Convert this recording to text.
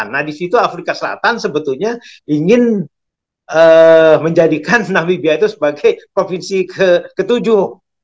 nah disitu afrika selatan sebetulnya ingin menjadikan namibia itu sebagai provinsi ketujuh